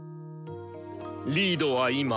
リードは今。